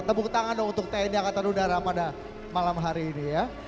tepuk tangan dong untuk tni angkatan udara pada malam hari ini ya